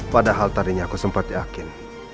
padahal tadinya aku sempat yakin